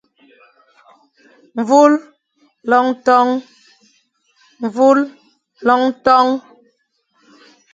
Mvul, loñ ton.